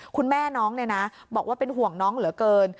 คุณแม่น้องเนี่ยนะบอกว่าเป็นห่วงน้องเหลือเกิน